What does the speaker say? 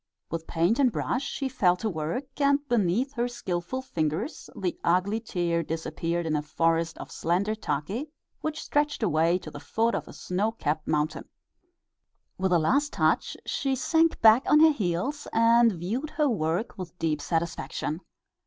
With paint and brush she fell to work, and beneath her skilful fingers the ugly tear disappeared in a forest of slender take which stretched away to the foot of a snow capped mountain. With a last touch she sank back on her heels and viewed her work with deep satisfaction.